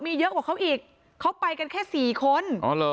มีเยอะกว่าเขาอีกเขาไปกันแค่สี่คน